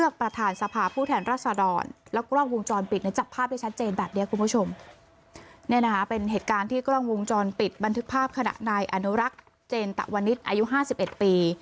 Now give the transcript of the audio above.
ก่อนปิดบันทึกภาพขณะในอนุรักษณ์เจนตะวันนิษย์อายุ๕๑ปี